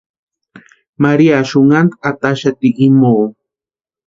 María xunhanta ataxati imo.